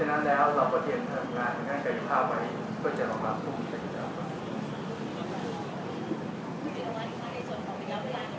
เพราะฉะนั้นแล้วเราก็เตรียมทำงานการการิคาไว้เพื่อจะรองรับภูมิเศรษฐ์แล้ว